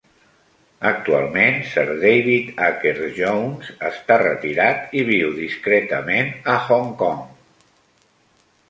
Actualment Sir David Akers-Jones està retirat i viu discretament a Hong Kong.